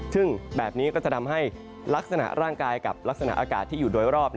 ซึ่งแบบนี้ก็จะทำให้ลักษณะร่างกายกับลักษณะอากาศที่อยู่โดยรอบ